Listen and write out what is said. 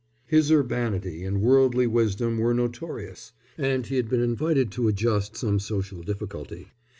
His urbanity and worldly wisdom were notorious, and he had been invited to adjust some social difficulty.